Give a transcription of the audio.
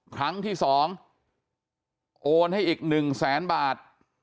ครั้งที่๒โอนให้อีก๑แสนบาท